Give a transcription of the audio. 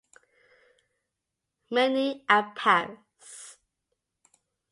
Migne at Paris.